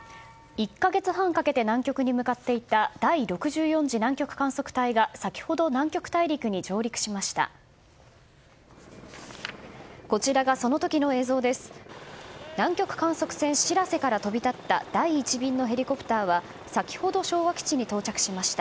１か月半かけて南極に向かっていた第６４次南極観測隊が先ほど南極大陸に上陸しました。